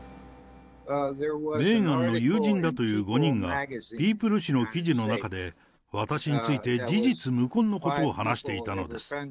メーガンの友人だという５人が、ピープル誌の記事の中で、私について事実無根のことを話していたのです。